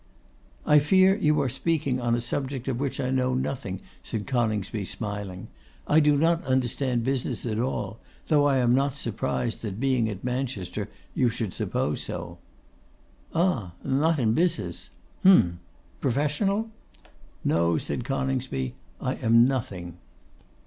'I fear you are speaking on a subject of which I know nothing,' said Coningsby, smiling; 'I do not understand business at all; though I am not surprised that, being at Manchester, you should suppose so.' 'Ah! not in business. Hem! Professional?' 'No,' said Coningsby, 'I am nothing.